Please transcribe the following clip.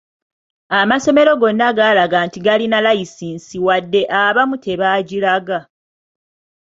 Amasomero gonna gaalaga nti galina layisinsi wadde abamu tebaagiraga.